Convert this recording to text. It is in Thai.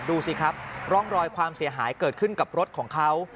ดูสิครับร่องรอยความเสียหายเกิดขึ้นกับรถของเขา